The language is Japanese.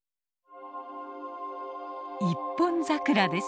一本桜です。